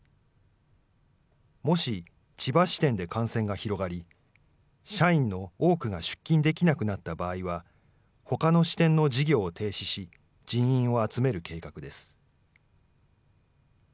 もし、千葉支店で感染が広がり、社員の多くが出勤できなくなった場合は、ほかの支店の事業を停止し、人員を集める計画です。